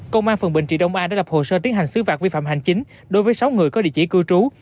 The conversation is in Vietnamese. công an phường bình trị đông a đã lập hồ sơ tiến hành xứ vạc vi phạm hành chính đối với sáu người có địa chỉ cư trú